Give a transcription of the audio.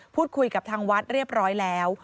พูดคุยกับทางวัดเรียบร้อยแล้ว